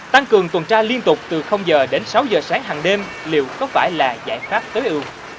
tăng cường tuần tra liên tục từ h đến sáu h sáng hằng đêm liệu có phải là giải pháp tối ưu